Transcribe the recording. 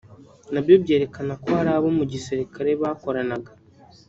nabyo byerekana ko hari abo mu gisirikare bakoranaga